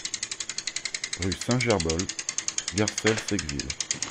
Rue Saint-Gerbold, Garcelles-Secqueville